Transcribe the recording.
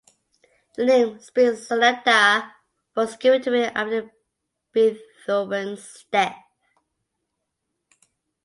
The name "Spring Sonata" was given to it after Beethoven's death.